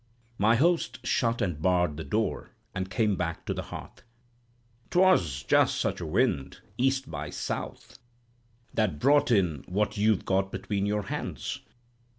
My host shut and barred the door, and came back to the hearth. "'Twas just such a wind—east by south—that brought in what you've got between your hands.